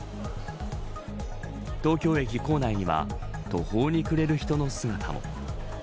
東京駅構内には途方に暮れる人の姿も。